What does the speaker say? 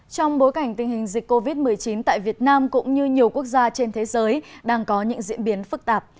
trong bối cảnh tình hình dịch covid một mươi chín tại việt nam cũng như nhiều quốc gia trên thế giới đang có những diễn biến phức tạp